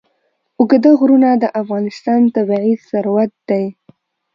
اوږده غرونه د افغانستان طبعي ثروت دی.